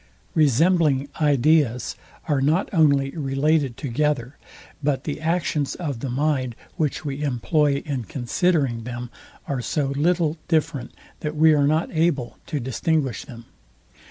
Resembling ideas are not only related together, but the actions of the mind, which we employ in considering them, are so little different, that we are not able to distinguish them.